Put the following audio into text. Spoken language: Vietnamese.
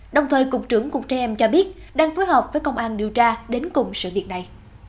đồng thời cục trưởng cục trẻ em cho biết đang phối hợp với công an điều tra đến cùng sự việc này